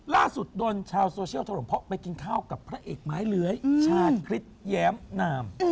ล่าสุดโดนชาวโซเชียลทรมพไปกินข้าวกับพระเอกไม้เหลือยชาติคริสต์แย้มนาม